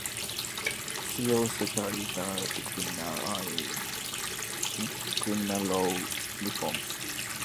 She also carried out criminal law reforms.